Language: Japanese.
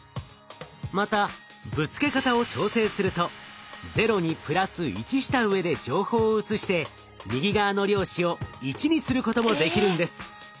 またぶつけ方を調整すると「０」に「＋１」したうえで情報を移して右側の量子を「１」にすることもできるんです。